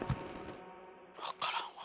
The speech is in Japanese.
分からんわ。